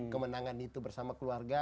kemenangan itu bersama keluarga